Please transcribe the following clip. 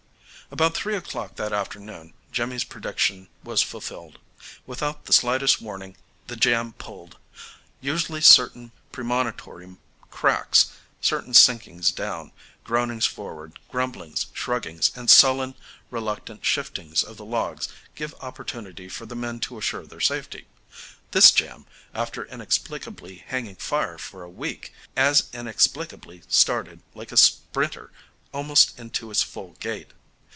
About three o'clock that afternoon Jimmy's prediction was fulfilled. Without the slightest warning the jam "pulled." Usually certain premonitory cracks, certain sinkings down, groanings forward, grumblings, shruggings, and sullen, reluctant shiftings of the logs give opportunity for the men to assure their safety. This jam, after inexplicably hanging fire for a week, as inexplicably started like a sprinter almost into its full gait.